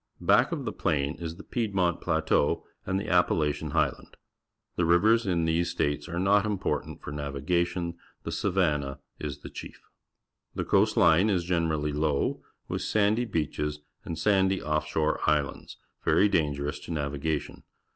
Back of the plain is the Piedmont Plateau and the Appalachian Highland. The rivers in these states are not important for navigation. The Savannah is the chief. The coast line is generally low, with sandy beaches and sandy off shore islands, very dangerous to nav igation.